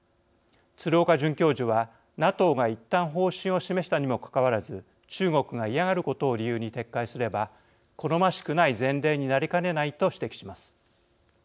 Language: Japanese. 鶴岡准教授は「ＮＡＴＯがいったん方針を示したにもかかわらず中国が嫌がることを理由に撤回すれば好ましくない前例になりかねない」と指摘します。